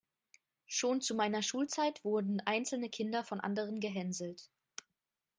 Schon zu meiner Schulzeit wurden einzelne Kinder von anderen gehänselt.